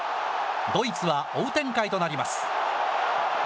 ドイツは追う展開となります。